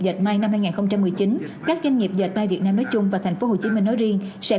dệt may hai nghìn một mươi chín các doanh nghiệp dệt may việt nam nói chung và thành phố hồ chí minh nói riêng sẽ